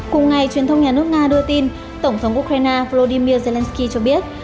cùng ngày truyền thông nhà nước nga đưa tin tổng thống ukraine volodymyr zelensky cho biết